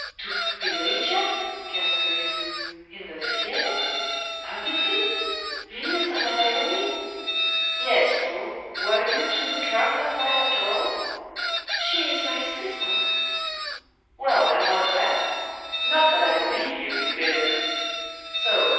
'To Pelagia?' gasped the youth. 'In the theatre? Publicly? Venus Anadyomene?' 'Yes, fool! Were you, too, drunk last night after all?' 'She is my sister!' 'Well, and what of that? Not that I believe you, you villain! So!